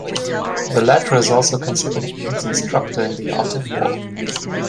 The latter is also considered his instructor in the art of war.